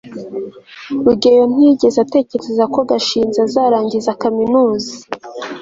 rugeyo ntiyigeze atekereza ko gashinzi azarangiza kaminuza